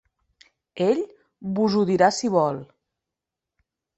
Ell vos ho dirà si vol…